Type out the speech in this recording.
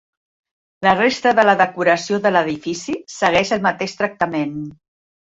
La resta de la decoració de l'edifici segueix el mateix tractament.